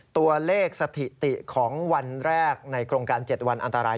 ตัวเลขสถิติของวันแรกในโครงการ๗วันอันตราย